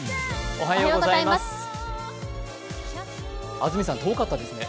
安住さん、遠かったですね。